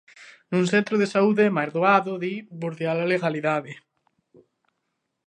Nun centro de saúde é máis doado, di, bordear a legalidade.